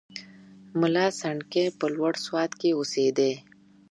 ملا سنډکی په لوړ سوات کې اوسېدی.